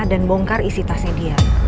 bongkar isi tasnya dia